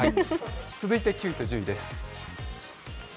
続いて９位と１０位です。